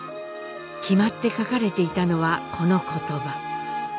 決まって書かれていたのはこの言葉。